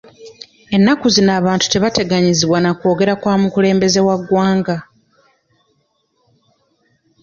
Ennaku zino abantu tebateganyizibwa na kwogera kwa mukulembeze w'eggwanga.